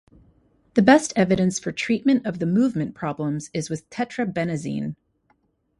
The best evidence for treatment of the movement problems is with tetrabenazine.